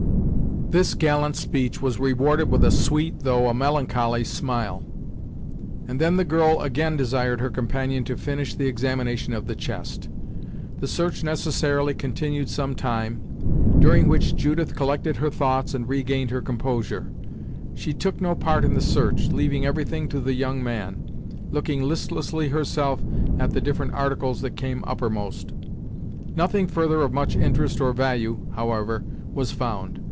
This gallant speech was rewarded with a sweet, though a melancholy smile; and then the girl again desired her companion to finish the examination of the chest. The search necessarily continued some time, during which Judith collected her thoughts and regained her composure. She took no part in the search, leaving everything to the young man, looking listlessly herself at the different articles that came uppermost. Nothing further of much interest or value, however, was found.